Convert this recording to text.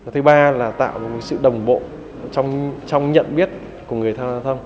thứ ba là tạo một sự đồng bộ trong nhận biết của người tham gia thông